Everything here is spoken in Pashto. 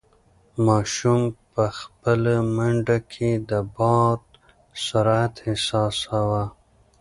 ماشوم په خپله منډه کې د باد سرعت احساساوه.